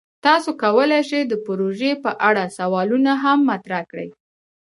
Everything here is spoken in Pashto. تاسو کولی شئ د پروژې په اړه سوالونه هم مطرح کړئ.